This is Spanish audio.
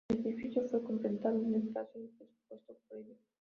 El edificio fue completado en el plazo y el presupuesto previsto.